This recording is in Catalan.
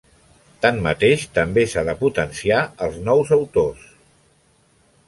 Tanmateix, també s'ha de potenciar els nous autors.